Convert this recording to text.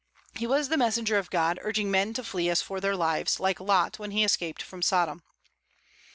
He was the messenger of God urging men to flee as for their lives, like Lot when he escaped from Sodom.